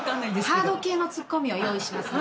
ハード系のツッコミ用意します。